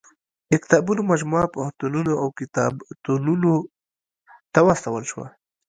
د کتابونو مجموعه پوهنتونونو او کتابتونو ته واستول شوه.